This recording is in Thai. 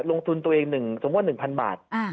ลงทุนตัวเองสมมุติ๑๐๐บาท